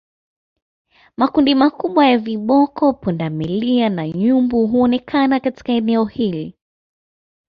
Makundi makubwa ya viboko pundamilia na nyumbu huonekana katika eneo hili